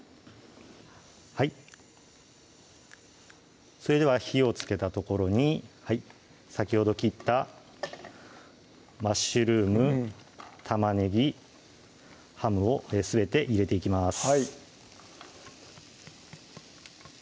はいそれでは火をつけたところに先ほど切ったマッシュルーム・玉ねぎ・ハムをすべて入れていきます